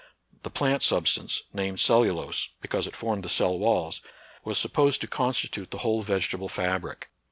The plant substance, named cellulose, because it formed the cell walls, was supposed to constitute the whole vegetable fabric.